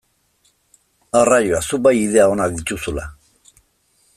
Arraioa, zuk bai ideia onak dituzula!